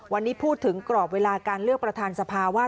วันนี้พูดถึงกรอบเวลาการเลือกประธานสภาว่า